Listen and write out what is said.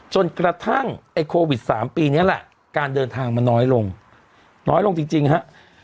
จนกระทั่งไอ้โควิด๓ปีนี้แหละการเดินทางมันน้อยลงน้อยลงจริงฮะ